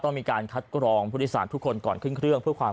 มีการคัดกรองผู้โดยสารทุกคนก่อนขึ้นเครื่องเพื่อความ